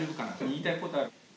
言いたいことある？